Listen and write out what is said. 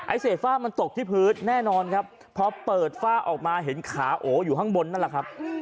เศษฝ้ามันตกที่พื้นแน่นอนครับพอเปิดฝ้าออกมาเห็นขาโออยู่ข้างบนนั่นแหละครับ